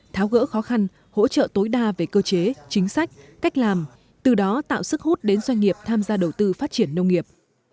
tháo gỡ khó khăn hỗ trợ tối đa về cơ chế chính sách cách làm từ đó tạo sức hút đến doanh nghiệp tham gia đầu tư phát triển nông nghiệp